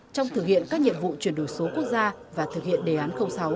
trong thực hiện các nhiệm vụ chuyển đổi số quốc gia và thực hiện đề án sáu